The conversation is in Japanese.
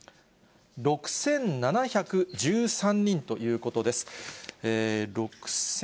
６７１３人ということです。